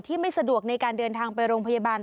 ไม่สะดวกในการเดินทางไปโรงพยาบาล